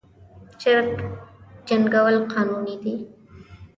چرګ جنګول قانوني دي؟